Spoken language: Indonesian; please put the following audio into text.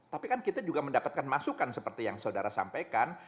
tapi kan kita juga mendapatkan masukan seperti yang saudara sampaikan